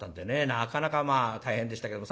なかなかまあ大変でしたけれども。